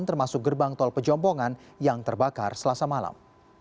termasuk gerbang tol pejombongan yang terbakar selasa malam